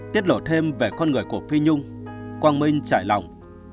tiết lộ thêm về con người của phi nhung quang minh trải lòng